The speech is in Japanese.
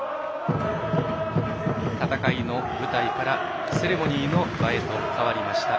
戦いの舞台からセレモニーの場へと変わりました